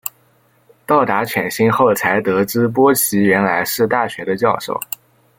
到达犬星后才得知波奇原来是大学的教授。